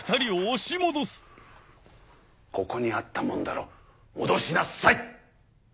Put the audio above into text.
ここにあったもんだろ戻しなさい！